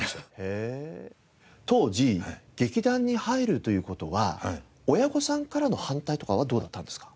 当時劇団に入るという事は親御さんからの反対とかはどうだったんですか？